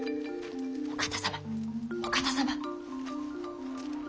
お方様お方様。